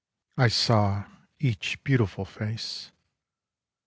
I saw each beautiful face.